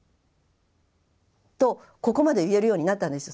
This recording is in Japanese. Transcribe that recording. とここまで言えるようになったんです。